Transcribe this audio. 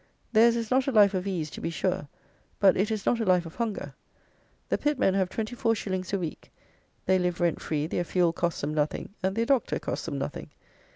Theirs is not a life of ease to be sure, but it is not a life of hunger. The pitmen have twenty four shillings a week; they live rent free, their fuel costs them nothing, and their doctor cost them nothing.